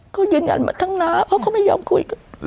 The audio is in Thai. เขายืนยันมาทั้งน้าเพราะเขาไม่ยอมคุย